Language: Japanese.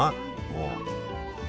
もう。